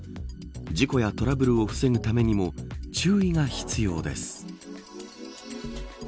事故やトラブルを防ぐためにも注意が必要です。